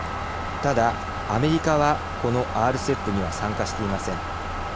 ただアメリカはこのＲＣＥＰには参加していません。